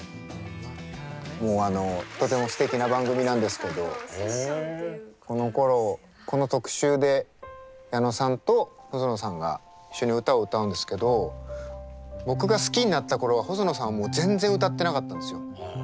もうあのとてもすてきな番組なんですけどこのころこの特集で矢野さんと細野さんが一緒に歌を歌うんですけど僕が好きになった頃は細野さんはもう全然歌ってなかったんですよ。